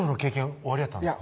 おありやったんですか？